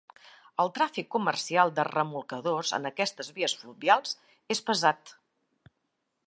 El tràfic comercial de remolcadors en aquestes vies fluvials és pesat.